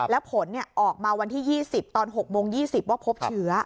แล้วผลออกมาวันที่๒๐ตอน๖โมง๒๐ว่าพบเชื้อ